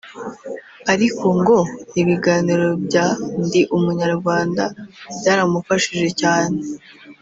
ariko ngo ibiganiro bya “Ndi Umunyarwanda” byaramufashije cyane